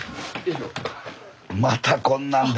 またこんなん。